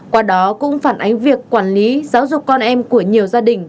qua đó cũng phản ánh việc quản lý giáo dục con em của nhiều gia đình